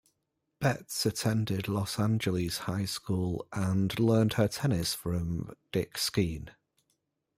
Betz attended Los Angeles High School and learned her tennis from Dick Skeen.